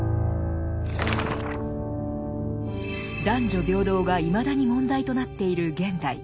男女平等がいまだに問題となっている現代。